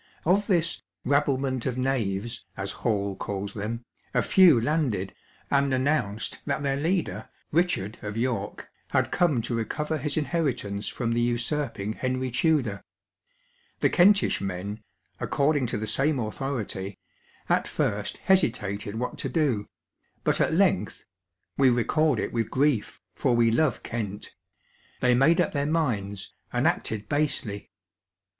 Of this "rabblement of knaves," as Hall calls them, a few landrd, and announced that their leader, " Richard of York," h»d come to recover his inheritance from the usurping Henry Tudor. The Kentish men, according to the same authority, at first hesitated what to do, but at length (wc record it with grief, fof we love Kent) they made up their minds, and acted basely.